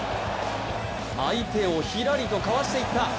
相手をひらりとかわしていった。